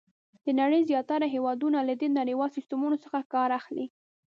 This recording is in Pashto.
د نړۍ زیاتره هېوادونه له دې نړیوال سیسټمونو څخه کار اخلي.